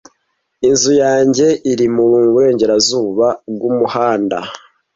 Inzu yanjye iri mu burengerazuba bw'umuhanda.